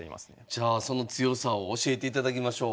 じゃあその強さを教えていただきましょう。